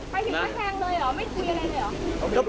ไปที่กับแทงเลยหมะไม่คุยอะไรเลยเหรอ